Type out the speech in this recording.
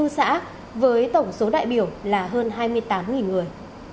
sáu trăm sáu mươi bốn xã với tổng số đại biểu là hơn hai mươi tám người